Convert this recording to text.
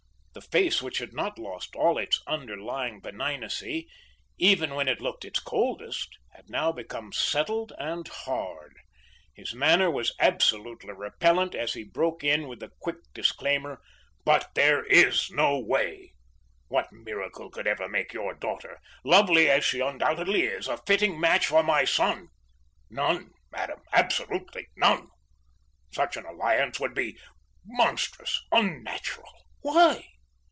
The face which had not lost all its underlying benignancy even when it looked its coldest, had now become settled and hard. His manner was absolutely repellent as he broke in with the quick disclaimer: "But there IS no way. What miracle could ever make your daughter, lovely as she undoubtedly is, a fitting match for my son! None, madam, absolutely none. Such an alliance would be monstrous; unnatural." "Why?"